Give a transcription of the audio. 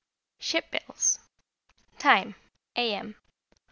Ship Bells Time, A. M.